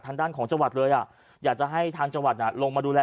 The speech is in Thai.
ทางด้านของจังหวัดเลยอยากจะให้ทางจังหวัดลงมาดูแล